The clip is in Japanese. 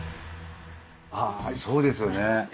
ああそうですよね。